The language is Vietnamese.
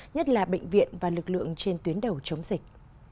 nhất là bệnh viện và lực lượng trên tuyến đầu chống dịch